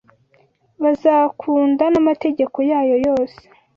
bazakunda n’amategeko yayo yose